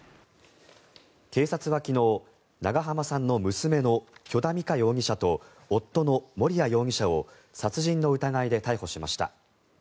警察は昨日長濱さんの娘の許田美香容疑者と夫の盛哉容疑者を殺人の疑いで逮捕しました。